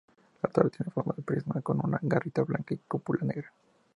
La torre tiene forma de prisma con una garita blanca y cúpula negra.